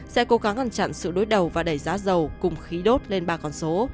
sẽ cố gắng ngăn chặn sự đối đầu và đẩy giá dầu cùng khí đốt lên ba con số